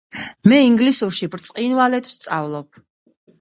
მე ინგლისურში ბრწყინვალედ ვსწავლობ